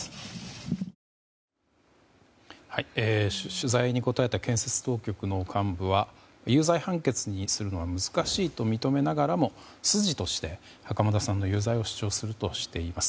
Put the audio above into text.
取材に答えた検察当局の幹部は有罪判決にするのは難しいと認めながらも筋として、袴田さんの有罪を主張するとしています。